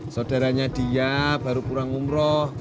saudaranya dia baru pulang umroh